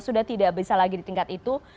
sudah tidak bisa lagi di tingkat itu